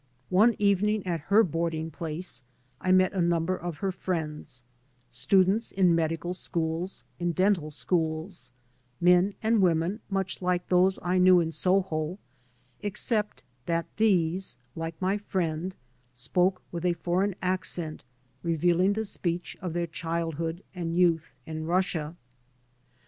One evening at her boarding place I met a number of her friends, students in medical schools, in dental schools, men and women much like those I knew in Soho, except that these, like my friend, spoke with a foreign accent revealing the speech of their childhood and youth in Russia.